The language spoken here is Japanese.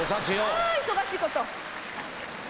あ忙しいこと！